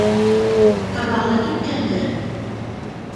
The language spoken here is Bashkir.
Тамағы кипкәндер...